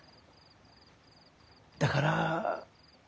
だから。